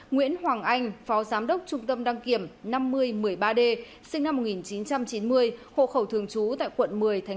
nguyễn hoàng anh phó giám đốc trung tâm đăng kiểm năm mươi một mươi ba d sinh năm một nghìn chín trăm chín mươi hộ khẩu thường trú tại quận một mươi một